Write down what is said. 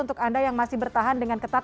untuk anda yang masih bertahan dengan ketat